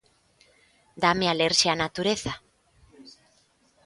Dáme alerxia a natureza.